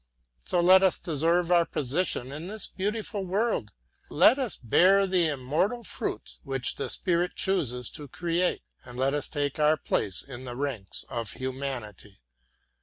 So let us deserve our position in this beautiful world, let us bear the immortal fruits which the spirit chooses to create, and let us take our place in the ranks of humanity.